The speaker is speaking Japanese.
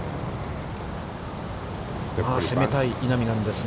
攻めたい稲見なんですが。